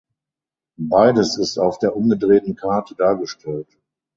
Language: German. Beides ist auf der umgedrehten Karte dargestellt.